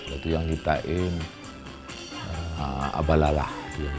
itu yang kita in abalalah